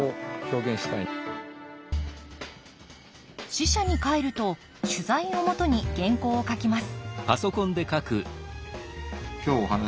支社に帰ると取材を基に原稿を書きます